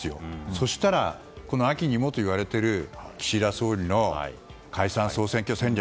そしたら、この秋にもといわれる岸田総理の解散・総選挙戦略。